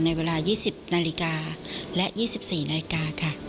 ในเวลา๒๐นาฬิกาและ๒๔นาฬิกาค่ะ